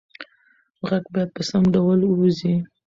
غږ باید په سم ډول ووځي.